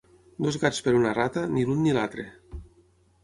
Dos gats per una rata, ni l'un ni l'altre.